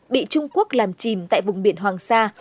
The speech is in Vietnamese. bị trung quốc làm chìm tại vùng biển hoàng sa